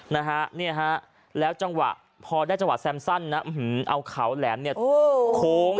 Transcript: นะฮะเนี่ยฮะแล้วจังหวะพอได้จังหวะแซมสั้นนะเอาเขาแหลมเนี่ยโค้ง